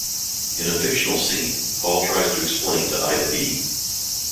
In a fictional scene, Paul tries to explain to Ida B.